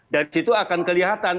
dari situ akan kelihatan